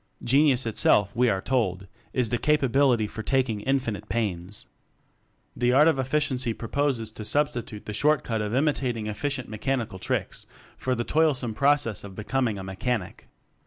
Genius itself, we are told, is the capability for taking infinite pains. The Art of Efficiency proposes to substitute the short cut of imitating efficient mechanical tricks for the toilsome process of becoming a mechanic.